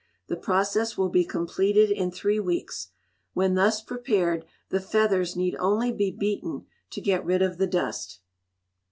The process will be completed in three weeks. When thus prepared, the feathers need only be beaten to get rid of the dust.